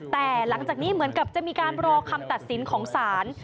แต่หลังจากนี้เหมือนกับจะมีการรอคำตัดสินของศาล